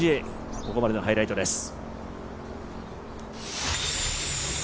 ここまでのハイライトです。